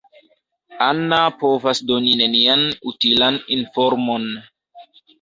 Anna povas doni nenian utilan informon.